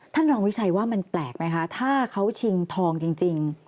ท่านรองวิชัยว่ามันแปลกไหมคะถ้าเขาชิงทองจริง